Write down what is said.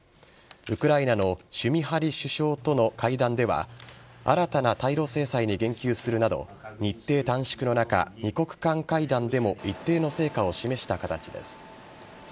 ウクライナのシュミハリ首相との会談では新たな対露制裁に言及するなど日程短縮の中、２国間会談でも一定の成果を示した形です。